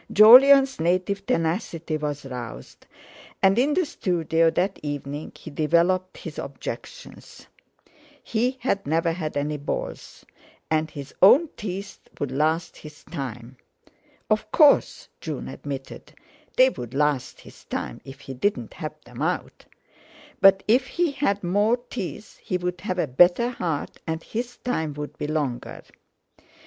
Jolyon's native tenacity was roused, and in the studio that evening he developed his objections. He had never had any boils, and his own teeth would last his time. Of course—June admitted—they would last his time if he didn't have them out! But if he had more teeth he would have a better heart and his time would be longer.